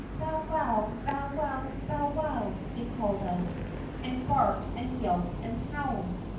"Bow wow, bow wow, bow wow," it called out, and barked and yelped and howled.